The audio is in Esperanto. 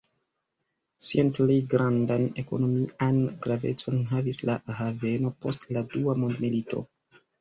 Sian plej grandan ekonomian gravecon havis la haveno post la Dua Mondmilito.